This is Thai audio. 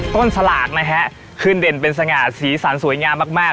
สลากนะฮะขึ้นเด่นเป็นสง่าสีสันสวยงามมากมาก